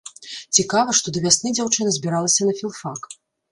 Цікава, што да вясны дзяўчына збіралася на філфак.